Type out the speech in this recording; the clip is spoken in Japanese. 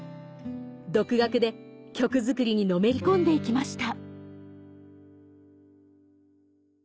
独学で曲作りにのめり込んでいきました